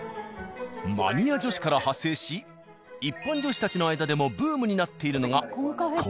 マニア女子から派生し一般女子たちの間でもブームになっているのが。